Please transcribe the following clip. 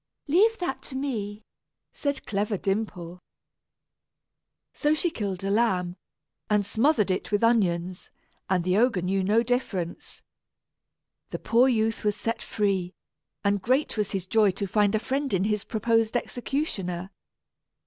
"Leave that to me," said clever Dimple. So she killed a lamb, and smothered it with onions, and the ogre knew no difference. The poor youth was set free, and great was his joy to find a friend in his proposed executioner.